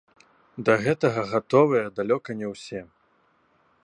Да гэтага гатовыя далёка не ўсе.